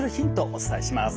お伝えします。